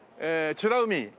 美ら海